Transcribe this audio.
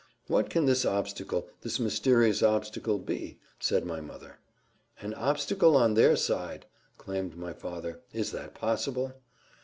"What can this obstacle this mysterious obstacle be?" said my mother. "An obstacle on their side!" exclaimed my father: "is that possible?"